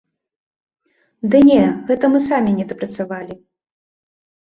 Ды не, гэта мы самі недапрацавалі!